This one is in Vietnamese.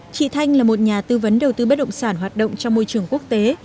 chị thanh là một nhà tư vấn đầu tư bất động sản hoạt động trong môi trường quốc tế